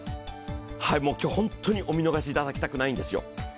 今日本当にお見逃しいただきたくないんですよ。